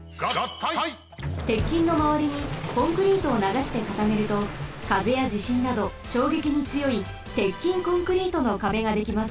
鉄筋のまわりにコンクリートをながしてかためるとかぜやじしんなどしょうげきにつよい鉄筋コンクリートの壁ができます。